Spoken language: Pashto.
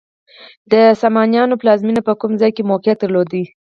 د سامانیانو پلازمینه په کوم ځای کې موقعیت درلود؟